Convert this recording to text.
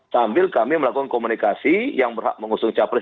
sambil kami melakukan komunikasi yang berhak mengusung capres